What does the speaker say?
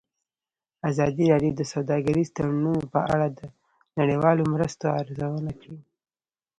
ازادي راډیو د سوداګریز تړونونه په اړه د نړیوالو مرستو ارزونه کړې.